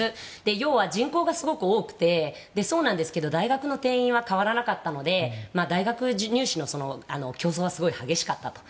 要は人口がすごく多くて大学の定員は変わらなかったので大学入試の競争は激しかったと。